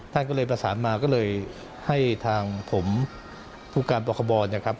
ท่านก็เลยประสานมาก็เลยให้ทางผมผู้การปคบนะครับ